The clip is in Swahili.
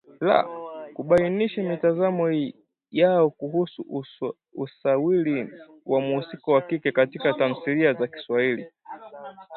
la kubainisha mitazamo yao kuhusu usawiri wa mhusika wa kike katika tamthilia za Kiswahili